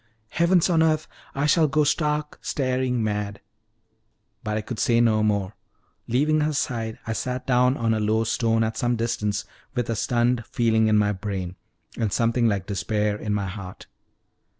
"Heavens on earth I shall go stark, staring mad!" But I could say no more; leaving her side I sat down on a low stone at some distance, with a stunned feeling in my brain, and something like despair in my heart.